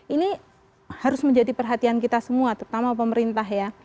ini harus menjadi perhatian kita semua terutama pemerintah ya